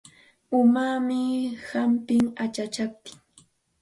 Umaami humpin achachaptin.